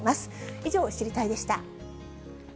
以上、知りたいッ！でした。